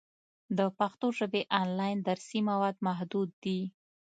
د پښتو ژبې آنلاین درسي مواد محدود دي.